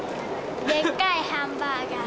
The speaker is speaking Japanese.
でっかいハンバーガー。